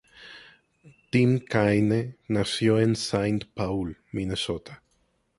Tim Kaine nació en Saint Paul, Minnesota.